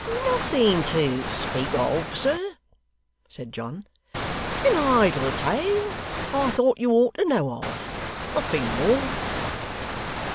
'Nothing to speak of, sir,' said John; 'an idle tale, I thought you ought to know of; nothing more.